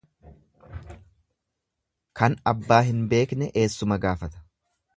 Kan abbaa hin beekne eessuma gaafata.